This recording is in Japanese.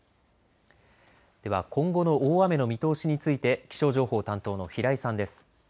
では今後の大雨の見通しについて気象情報担当の平井さんです。